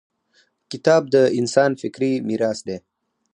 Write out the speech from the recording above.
• کتاب د انسان فکري میراث دی.